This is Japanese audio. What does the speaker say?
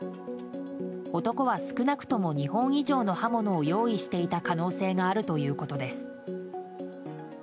男は少なくとも２本以上の刃物を用意していた可能性があるということです。